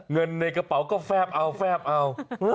เงินในกระเป๋าก็แฟบเอา